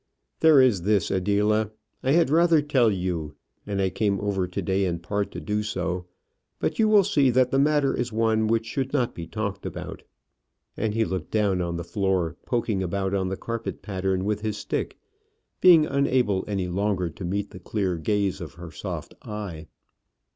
"There is this, Adela. I had rather tell you; and I came over to day in part to do so: but you will see that the matter is one that should not be talked about," and he looked down on the floor, poking about on the carpet pattern with his stick, being unable any longer to meet the clear gaze of her soft eye.